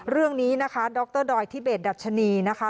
เรื่องนี้นะคะดรดอยทิเบสดัชนีนะคะ